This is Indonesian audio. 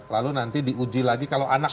lalu nanti diuji lagi kalau anak